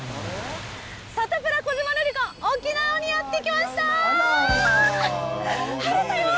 サタプラ、小島瑠璃子、沖縄にやって来ましたー！